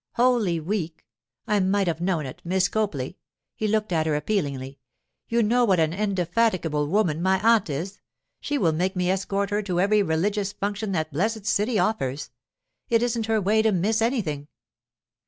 'Holy Week—I might have known it! Miss Copley,' he looked at her appealingly, 'you know what an indefatigable woman my aunt is. She will make me escort her to every religious function that blessed city offers; it isn't her way to miss anything.